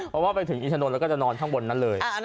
เพราะว่าไปถึงอินทนนทแล้วก็จะนอนข้างบนนั้นเลย